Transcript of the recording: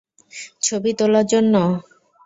ছবি তোলার জন্য?